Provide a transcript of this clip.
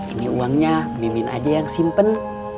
ini uangnya mimin aja yang simpen